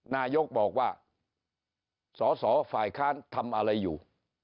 นายกบอกว่าสอสอฝ่ายค้านทำอะไรอยู่